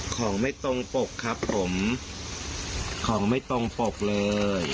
ของไม่ตรงปกครับผมของไม่ตรงปกเลย